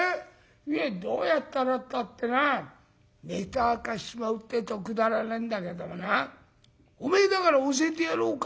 いえどうやったらったってなネタ明かしちまうってえとくだらねえんだけどもなおめえだから教えてやろうか」。